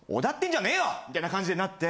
みたいな感じでなって。